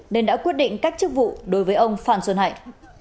nên đã quyết định các chức vụ đối với ông phan xuân hạnh